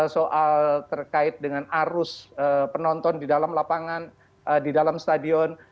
soal terkait dengan arus penonton di dalam lapangan di dalam stadion